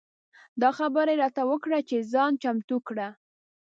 دا خبره یې راته وکړه چې ځان چمتو کړه.